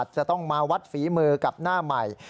จะต้องมาวัดฝีมือกับหน้าใหม่